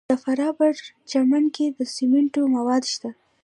د فراه په پرچمن کې د سمنټو مواد شته.